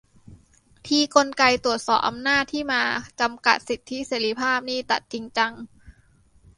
ทีกลไกตรวจสอบอำนาจที่มาจำกัดสิทธิเสรีภาพนี่ตัดทิ้งจัง